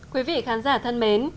quý vị khán giả thân mến